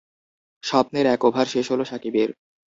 স্বপ্নের এক ওভার শেষ হলো সাকিবের।